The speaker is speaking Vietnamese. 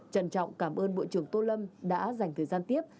trân trọng cảm ơn bộ trưởng tô lâm đã dành thời gian tiếp